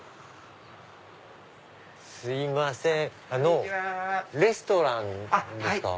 すいませんあのレストランですか？